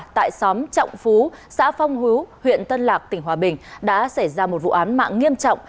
tại xóm trọng phú xã phong hứa huyện tân lạc tỉnh hòa bình đã xảy ra một vụ án mạng nghiêm trọng